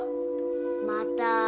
また！